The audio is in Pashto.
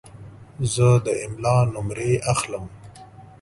زه د املا نمرې اخلم.